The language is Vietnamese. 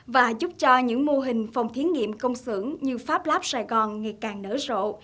và giúp cho những mô hình phòng thí nghiệm công xưởng như fablab sài gòn ngày càng nở rộ